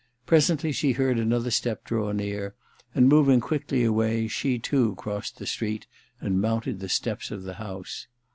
Presently she heard another step draw near, and moving quickly away, she too crossed the street and mounted the steps of the house.